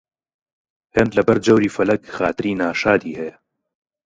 هێند لەبەر جەوری فەلەک خاتری ناشادی هەیە